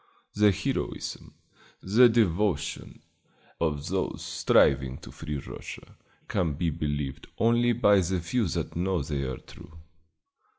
The heroism, the devotion, of those striving to free Russia can be believed only by the few that know they are true.